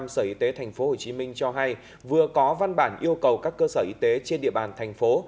sở y tế tp hcm cho hay vừa có văn bản yêu cầu các cơ sở y tế trên địa bàn thành phố